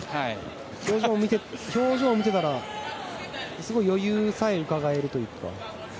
表情見てたら余裕さえうかがえるというか。